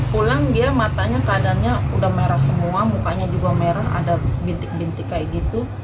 padahal sudah merah semua mukanya juga merah ada bintik bintik kayak gitu